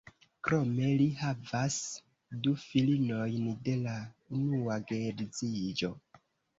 Krome li havas du filinojn de la unua geedziĝo.